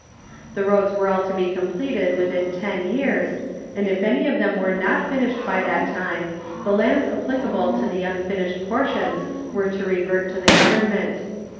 The roads were all to be completed within ten years, and if any of them were not finished by that time the lands applicable to the unfinished portions were to revert to the government.